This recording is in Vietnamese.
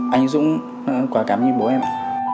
anh dũng quả cảm như bố em ạ